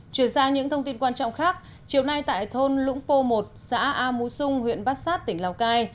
truyền ra những thông tin quan trọng khác chiều nay tại thôn lũng pô một xã a mú sung huyện bát sát tỉnh lào cai